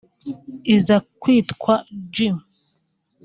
iza kwitwa G